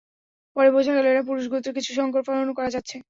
পরে বোঝা গেল এরা পুরুষ গোত্রের, কিছু শংকর ফলনও করা যাচ্ছে।